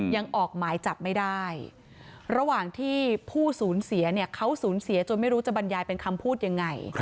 ยังออกหมายจับไม่ได้ระหว่างที่ผู้สูญเสียเนี่ยเขาสูญเสียจนไม่รู้จะบรรยายเป็นคำพูดยังไง